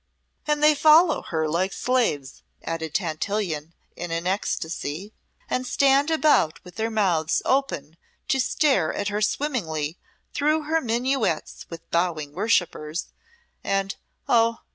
"And they follow her like slaves," added Tantillion, in an ecstacy, "and stand about with their mouths open to stare at her swimming though her minuets with bowing worshippers, and oh!